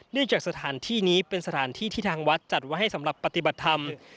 จากสถานที่นี้เป็นสถานที่ที่ทางวัดจัดไว้ให้สำหรับปฏิบัติธรรม